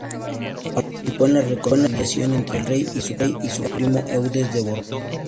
Participó en la reconciliación entre el rey y su primo Eudes de Borgoña.